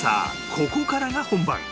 ここからが本番